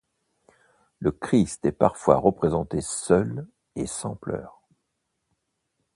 Le Christ est parfois représenté seul et sans pleurs.